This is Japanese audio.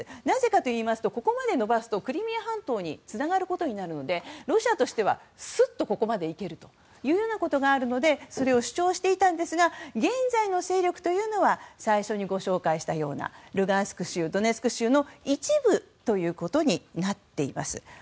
なぜかといいますと、ここまで延ばすとクリミア半島につながることになるのでロシアとしてはすっとここまで行けるということがあるのでそれを主張していたんですが現在の勢力というのは最初にご紹介したようなルガンスク州、ドネツク州の一部ということになっています。